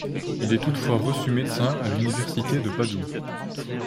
Il est toutefois reçu médecin à l’Université de Padoue.